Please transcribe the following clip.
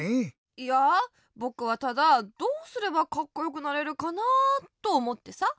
いやあぼくはただどうすればカッコよくなれるかなあとおもってさ。